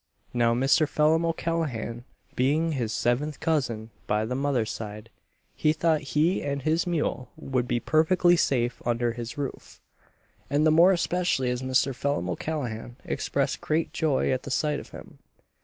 Now Mr. Phelim O'Callaghan being his seventh cousin by the mother's side, he thought he and his mule would be perfectly safe under his roof; and the more especially as Mr. Phelim O'Callaghan expressed great joy at the sight of him.